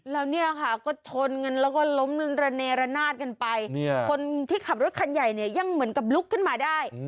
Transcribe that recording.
แล้วเนี่ยค่ะก็ชนกันแล้วก็ล้มระเนระนาดกันไปคนที่ขับรถคันใหญ่เนี่ยยังเหมือนกับลุกขึ้นมาได้